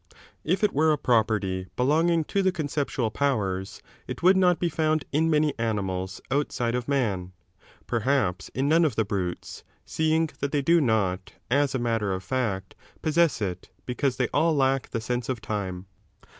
K it were a property belonging to the conceptual powers, it would not be found in many animals outside of man, perhaps in none of the brutes, seeing that they do not, as a matter of fact, possess it because they all lack the sense of time.